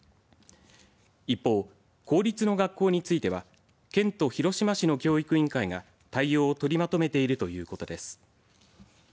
一方、公立の学校については県と広島市の教育委員会が対応を取りまとめているということです。